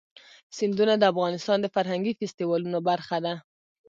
سیندونه د افغانستان د فرهنګي فستیوالونو برخه ده.